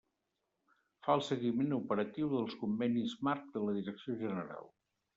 Fa el seguiment operatiu dels convenis marc de la Direcció General.